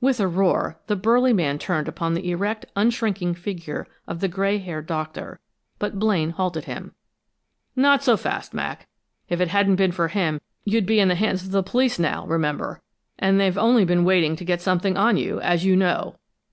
With a roar, the burly man turned upon the erect, unshrinking figure of the gray haired doctor, but Blaine halted him. "Not so fast, Mac. If it hadn't been for him, you'd be in the hands of the police now, remember, and they've only been waiting to get something on you, as you know.